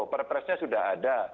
perpresnya sudah ada